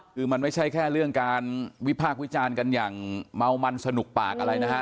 คือมันไม่ใช่แค่เรื่องการวิพากษ์วิจารณ์กันอย่างเมามันสนุกปากอะไรนะฮะ